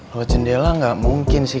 kalo jendela gak mungkin sih